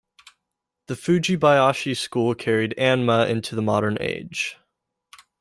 The Fujibayashi school carried anma into the modern age.